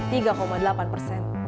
desy aritona jakarta